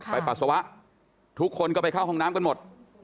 ปัสสาวะทุกคนก็ไปเข้าห้องน้ำกันหมด